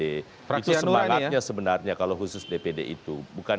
itu semangatnya sebenarnya kalau khusus dpd itu